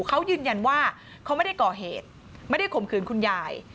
เขายืนยันว่าเขาไม่ได้ก่อเหตุไม่ได้ข่มขืนคุณยาย